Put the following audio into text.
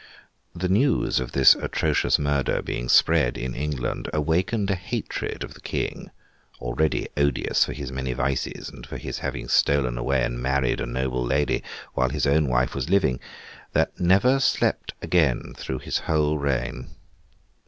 The news of this atrocious murder being spread in England, awakened a hatred of the King (already odious for his many vices, and for his having stolen away and married a noble lady while his own wife was living) that never slept again through his whole reign.